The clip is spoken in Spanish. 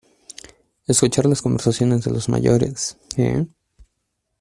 escuchar las conversaciones de los mayores? ¿ eh ?